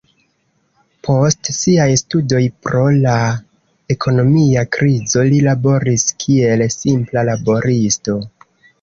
Post siaj studoj pro la ekonomia krizo li laboris kiel simpla laboristo.